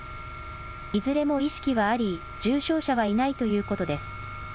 いずれも意識はあり、重症者はいないということです。